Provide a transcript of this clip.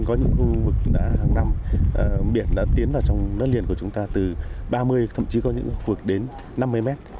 có những khu vực hàng năm biển đã tiến vào trong đất liền của chúng ta từ ba mươi thậm chí có những khu vực đến năm mươi mét